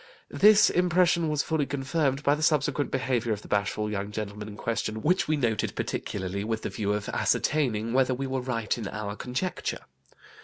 This impression was fully confirmed by the subsequent behaviour of the bashful young gentleman in question, which we noted particularly, with the view of ascertaining whether we were right in our conjecture.